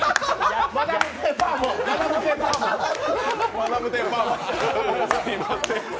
マダム天パーマ！